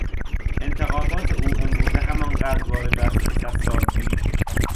انتقادات او امروزه همانقدر وارد است که صد سال پیش.